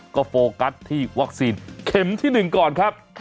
ก็โฟกัสที่วัคซีนเข็มที่๑ก่อนครับ